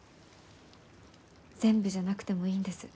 全部じゃなくてもいいんです。